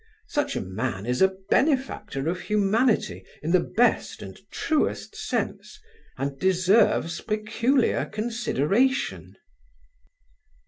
Such a man is a benefactor of humanity in the best and truest sense, and deserves peculiar consideration.